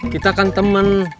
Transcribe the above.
kita kan teman